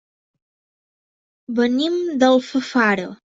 Venim d'Alfafara.